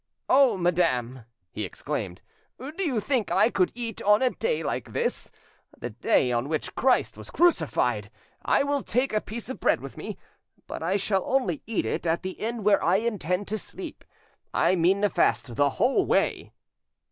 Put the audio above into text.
"Oh, madame!" he exclaimed, "do you think I could eat on a day like this, the day on which Christ was crucified! I will take a piece of bread with me, but I shall only eat it at the inn where I intend to sleep: I mean to fast the whole way."